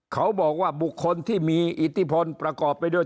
เขาบอกว่าบุคคลที่มีอิทธิพลประกอบไปด้วย